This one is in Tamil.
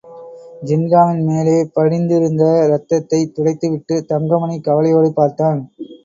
ஜின்காவின் மேலே படிந்திருந்த ரத்தத்தைத் துடைத்துவிட்டுத் தங்கமணி கவலையோடு பார்த்தான்.